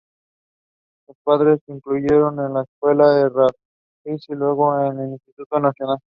Sus padres lo inscribieron en la Escuela Errázuriz y luego en el Instituto Nacional.